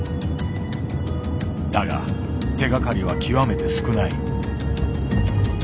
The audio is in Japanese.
だが手がかりは極めて少ない。